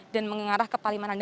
dan mengarah ke palimananda